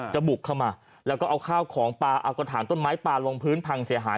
บุกเข้ามาแล้วก็เอาข้าวของปลาเอากระถางต้นไม้ปลาลงพื้นพังเสียหาย